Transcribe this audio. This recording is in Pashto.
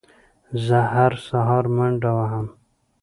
زه هره سهار منډه وهم